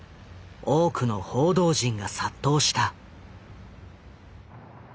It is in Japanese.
多くの報道陣が殺到した。